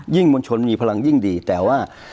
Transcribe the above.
ยิ่งมดชนมีพลังยิ่งดีแต่ว่า